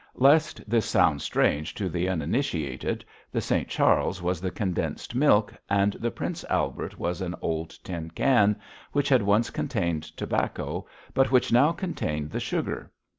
Lest this sound strange to the uninitiated, the St. Charles was the condensed milk and the Prince Albert was an old tin can which had once contained tobacco but which now contained the sugar.